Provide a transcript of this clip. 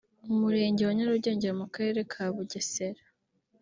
Umurenge wa Nyarugenge mu Karere ka Bugesera